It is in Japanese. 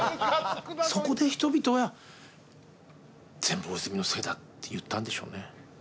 そこで人々は「全部大泉のせいだ」って言ったんでしょうね。